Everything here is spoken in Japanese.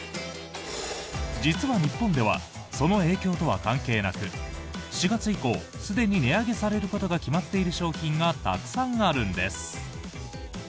実は日本ではその影響とは関係なく４月以降すでに値上げされることが決まっている商品がたくさんあるんです。